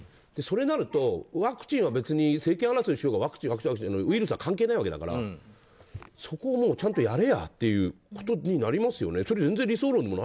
そうなると、ワクチンは別に政権争いしようがウイルスは関係ないわけだからそこをちゃんとやれやってことになりますよね。